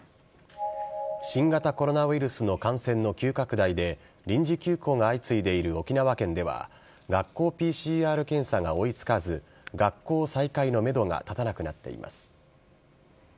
新型コロナウイルスの感染の急拡大で、臨時休校が相次いでいる沖縄県では、学校ＰＣＲ検査が追いつかず、学校再開のメドが立たなくなっています。